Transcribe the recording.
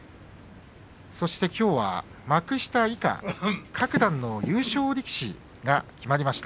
そして、きょうは幕下以下各段の優勝力士が決まりました。